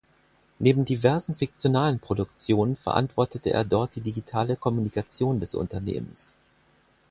Neben diversen fiktionalen Produktionen verantwortete er dort die digitale Kommunikation des Unternehmens.